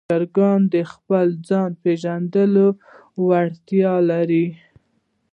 چرګان د خپل ځای پېژندلو وړتیا لري.